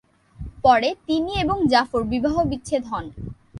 পরে তিনি এবং জাফর বিবাহ বিচ্ছেদ হন।